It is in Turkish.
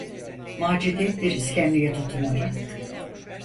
Macide bir iskemleye tutunarak: